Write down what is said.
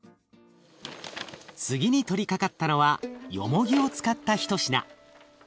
次に取りかかったのはよもぎを使った一品。